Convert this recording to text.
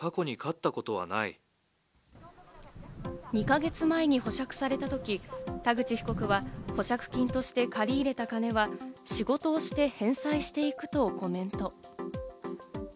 ２か月前に保釈されたとき、田口被告は保釈金として借り入れた金は仕事をして返済していくとコメント。